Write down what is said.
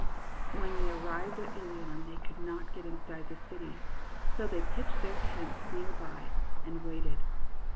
When they arrived at Ilion they could not get inside the city, so they pitched their tents near by and waited.